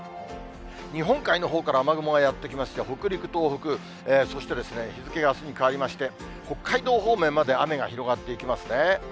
日本海のほうから雨雲がやって来まして、北陸、東北、そして日付があすに変わりまして、北海道方面まで雨が広がっていきますね。